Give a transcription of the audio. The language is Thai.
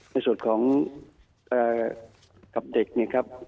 ในส่วนของกับเด็กเนี่ยครับ